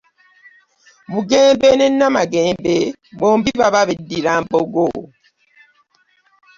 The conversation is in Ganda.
Bugembe ne Namagembe bombi baba beddira mbogo.